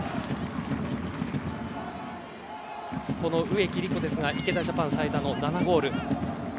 植木理子は池田ジャパン最多の７ゴール。